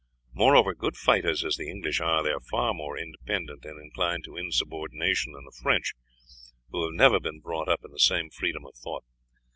Moreover, good fighters as the English are, they are far more independent and inclined to insubordination than the French, who have never been brought up in the same freedom of thought.